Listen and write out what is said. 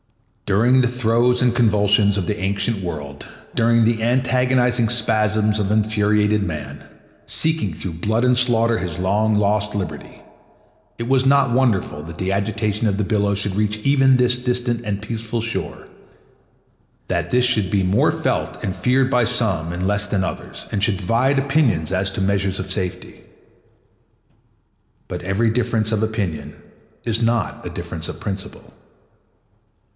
During the throes and convulsions of the ancient world, during the agonizing spasms of infuriated man, seeking through blood and slaughter his long lost liberty, it was not wonderful that the agitation of the billows should reach even this distant and peaceful shore; that this should be more felt and feared by some and less by others, and should divide opinions as to measures of safety. But every difference of opinion is not a difference of principle.